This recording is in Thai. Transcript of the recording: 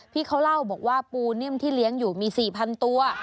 พี่เขาเล่าบอกว่าปูนิ่มที่เลี้ยงอยู่มี๔๐๐๐ตัว